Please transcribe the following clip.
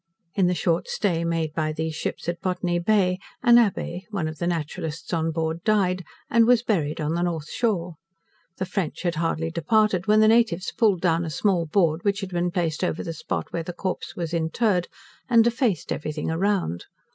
In the short stay made by these ships at Botany Bay, an Abbe, one of the naturalists on board, died, and was buried on the north shore. The French had hardly departed, when the natives pulled down a small board, which had been placed over the spot where the corpse was interred, and defaced everything around.